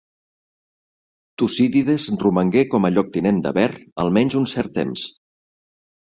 Tucídides romangué com a lloctinent de Ver almenys un cert temps.